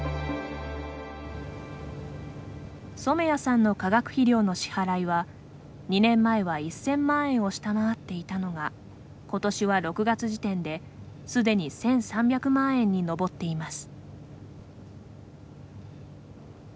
染谷さんの化学肥料の支払いは２年前は１０００万円を下回っていたのが今年は６月時点で、すでに１３００万円に上っています。